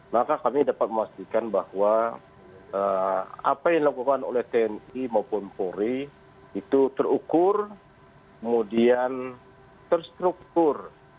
maka kami dapat memastikan bahwa apa yang dilakukan oleh tni maupun polri itu terukur kemudian terstruktur